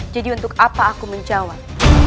jadi untuk apa aku menjawab